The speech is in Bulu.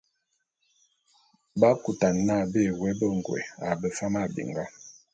B'akutane n'a bé woé bengôé a befam a binga.